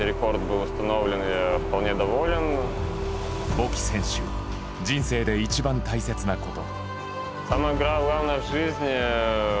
ボキ選手人生で一番大切なこと。